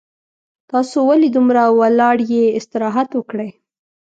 تاسو ولې دومره ولاړ یي استراحت وکړئ